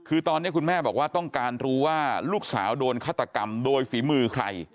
คือตอนนี้คุณแม่บอกว่าต้องการรู้ว่าลูกสาวโดนฆาตกรรมโดยฝีมือใคร